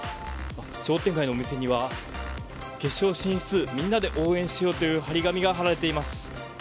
商店街のお店には、決勝進出みんなで応援しようという貼り紙が貼られています。